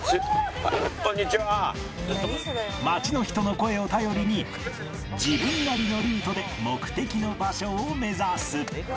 街の人の声を頼りに自分なりのルートで目的の場所を目指す